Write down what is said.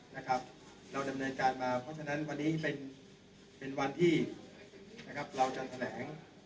เราดำเนินการมาเพราะฉะนั้นวันนี้เป็นวันที่นะครับเราจะแถลง